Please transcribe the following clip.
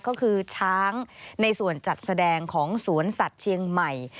ก็คือช้างในส่วนจัดแสดงของสวนสัตว์เชียงใหม่